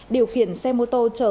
điều khiển xe mô tô chở một